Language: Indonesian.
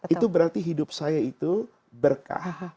itu berarti hidup saya itu berkah